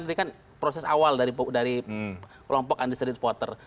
ini kan proses awal dari pelompok anti street reporter